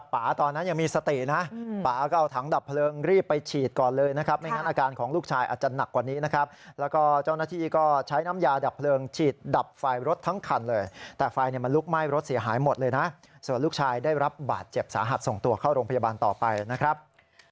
ปรับจริงปรับจริงปรับจริงปรับจริงปรับจริงปรับจริงปรับจริงปรับจริงปรับจริงปรับจริงปรับจริงปรับจริงปรับจริงปรับจริงปรับจริงปรับจริงปรับจริงปรับจริงปรับจริงปรับจริงปรับจริงปรับจริงปรับจริงปรับจริงปรับจ